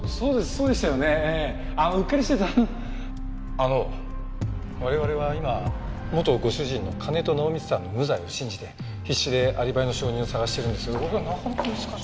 あの我々は今元ご主人の金戸直実さんの無罪を信じて必死でアリバイの証人を探しているんですがこれがなかなか。